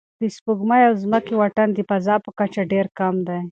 د سپوږمۍ او ځمکې واټن د فضا په کچه ډېر کم دی.